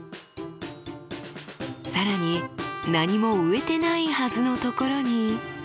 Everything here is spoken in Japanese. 更に何も植えてないはずのところに。